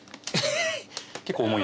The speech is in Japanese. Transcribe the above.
結構重い。